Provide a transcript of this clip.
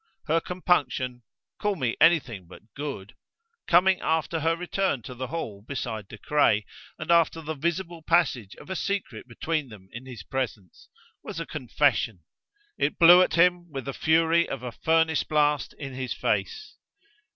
Her compunction 'Call me anything but good' coming after her return to the Hall beside De Craye, and after the visible passage of a secret between them in his presence, was a confession: it blew at him with the fury of a furnace blast in his face.